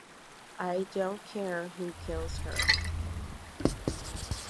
I don't care who kills her.